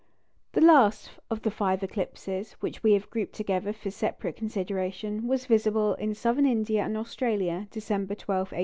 The last of the five eclipses which we have grouped together for separate consideration was visible in Southern India and Australia, December 12, 1871.